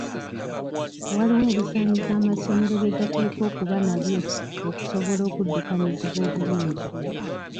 Waliwo ebisaanyizo amasomero bye gateekwa okuba nabyo okusobola okuddukanyizibwa obulungi.